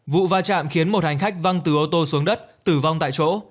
vụ va chạm khiến một hành khách văng từ ô tô xuống đất tử vong tại chỗ